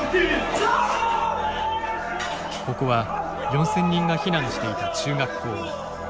ここは４０００人が避難していた中学校。